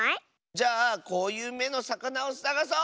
じゃあこういう「め」のさかなをさがそう！